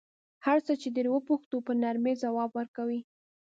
هر څه چې ترې وپوښتو په نرمۍ ځواب ورکوي.